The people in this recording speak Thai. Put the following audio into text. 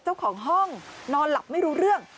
เจ้าของห้องนอนหลับไม่รู้เรื่อง